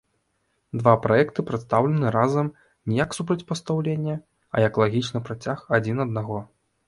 Два праекты прадстаўлены разам не як супрацьпастаўленне, а як лагічны працяг адзін аднаго.